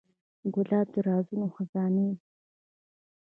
ګلاب د رازونو خزانې ده.